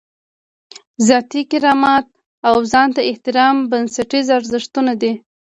ذاتي کرامت او ځان ته احترام بنسټیز ارزښتونه دي.